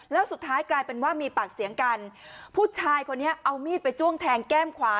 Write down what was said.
แล้วสุดท้ายกลายเป็นว่ามีปากเสียงกันผู้ชายคนนี้เอามีดไปจ้วงแทงแก้มขวา